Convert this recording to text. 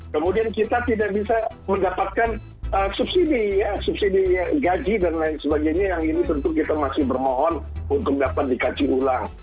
kemudian kita tidak bisa mendapatkan subsidi ya subsidi gaji dan lain sebagainya yang ini tentu kita masih bermohon untuk dapat dikaji ulang